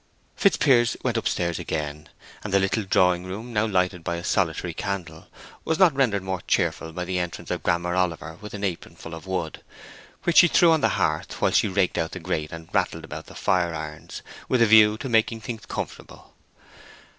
Fitzpiers went up stairs again, and the little drawing room, now lighted by a solitary candle, was not rendered more cheerful by the entrance of Grammer Oliver with an apronful of wood, which she threw on the hearth while she raked out the grate and rattled about the fire irons, with a view to making things comfortable.